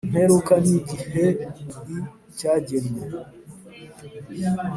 Imperuka nigihei cyagenwe.